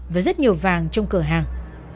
với rất nhiều vàng trong cửa hàng